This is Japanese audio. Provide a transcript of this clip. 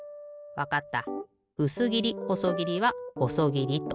わかった。